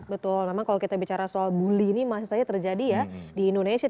betul memang kalau kita bicara soal bully ini masih saja terjadi ya di indonesia